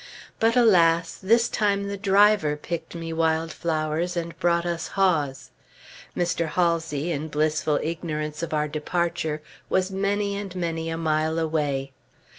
But alas! this time the driver picked me wild flowers, and brought us haws. Mr. Halsey, in blissful ignorance of our departure, was many and many a mile away.